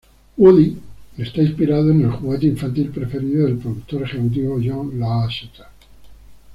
Woody está inspirado en el juguete infantil preferido del productor ejecutivo John Lasseter.